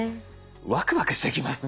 ワクワクしてきますね。